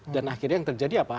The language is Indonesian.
dan akhirnya yang terjadi apa